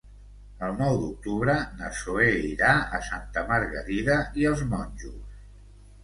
El nou d'octubre na Zoè irà a Santa Margarida i els Monjos.